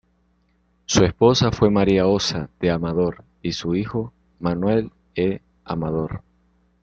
Su esposa fue María Ossa de Amador, y su hijo, Manuel E. Amador.